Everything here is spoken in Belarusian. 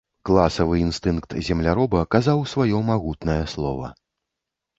Класавы інстынкт земляроба казаў сваё магутнае слова.